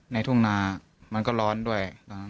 ทุ่งนามันก็ร้อนด้วย